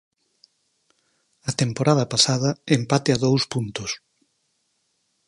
A temporada pasada empate a dous puntos.